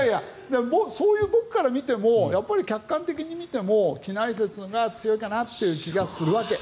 そういう僕から見てもやっぱり客観的に見ても畿内説が強いかなという気がするわけ。